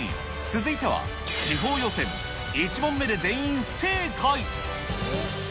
続いては地方予選１問目で全員不正解。